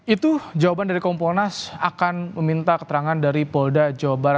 itu jawaban dari kompor nas akan meminta keterangan dari polda jabar